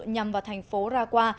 nhằm vào thành phố raqqa